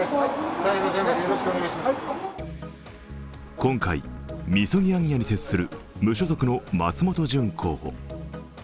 今回、みそぎ行脚に徹する無所属の松本純候補。